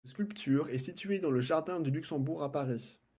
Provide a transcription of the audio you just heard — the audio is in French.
Cette sculpture est située dans le jardin du Luxembourg à Paris.